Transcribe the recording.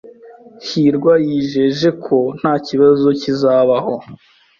hirwa yijeje ko ntakibazo kizabaho.